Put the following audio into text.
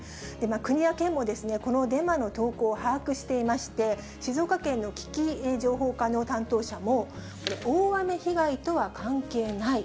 国や県も、このデマの投稿を把握していまして、静岡県の危機情報課の担当者も、大雨被害とは関係ない。